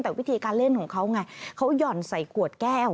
แต่วิธีการเล่นของเขาไงเขาหย่อนใส่ขวดแก้ว